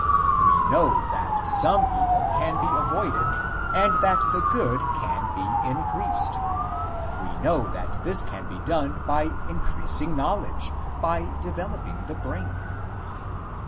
We know that some evil can be avoided and that the good can be increased. We know that this can be done by increasing knowledge, by developing the brain.